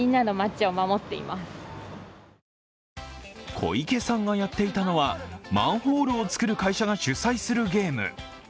小池さんがやっていたのはマンホールをつくる会社が主催するゲーム。